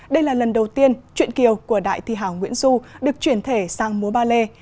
đây là lần đầu tiên chuyện kiều của đại thi hảo nguyễn du được chuyển thể sang múa ballet